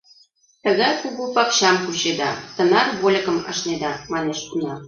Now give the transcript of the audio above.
— Тыгай кугу пакчам кучеда, тынар вольыкым ашнеда, — манеш уна.